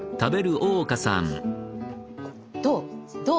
どう？